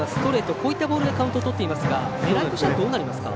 こういったボールでカウントをとっていますが狙いとしてはどうなりますか？